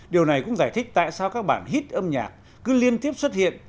điều này cũng giải thích tại sao các bản hít âm nhạc cứ liên tiếp xuất hiện